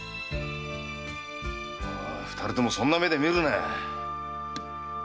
おい二人ともそんな目で見るなよ。